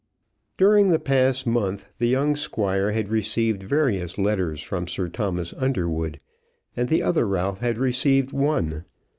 During the past month the young Squire had received various letters from Sir Thomas Underwood, and the other Ralph had received one.